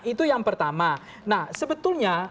itu yang pertama nah sebetulnya